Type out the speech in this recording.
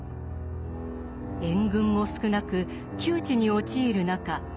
援軍も少なく窮地に陥る中